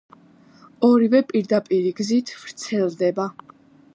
ორივე პირდაპირი გზით ვრცელდება.